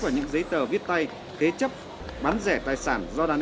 những xe này của bố vợ em